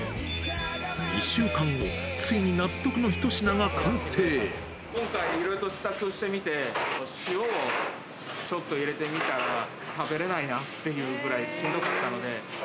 １週間後、今回、いろいろと試作をしてみて、塩をちょっと入れてみたら、食べれないなっていうぐらい、しんどかったので。